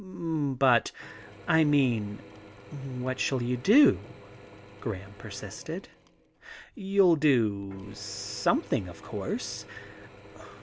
* But I mean what shall you do ?' Graham persisted. * You '11 do something, of course.